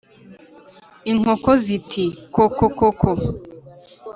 Inkoko ziti kokokoko